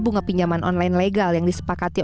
bunga pinjaman online legal yang disepakati